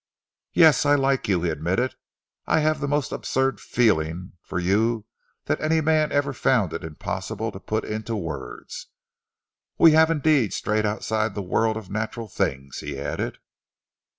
"Yes, I like you," he admitted. "I have the most absurd feeling for you that any man ever found it impossible to put into words. We have indeed strayed outside the world of natural things," he added.